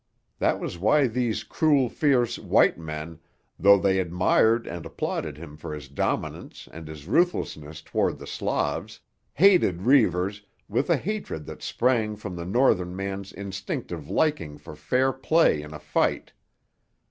That was why these cruel fierce "white men," though they admired and applauded him for his dominance and his ruthlessness toward the Slavs, hated Reivers with a hatred that sprang from the Northern man's instinctive liking for fair play in a fight.